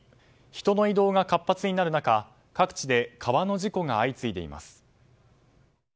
人の移動が活発になる中、各地で川の事故が相次いでいます。